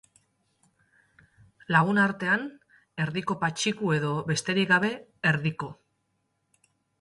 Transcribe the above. Lagunartean, Erdiko Patxiku edo, besterik gabe, Erdiko.